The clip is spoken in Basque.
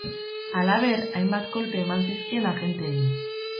Halaber, hainbat kolpe eman zizkien agenteei.